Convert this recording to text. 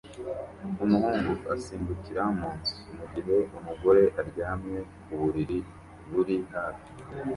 Umuhungu asimbukira mu nzu mu gihe umugore aryamye ku buriri buri hafi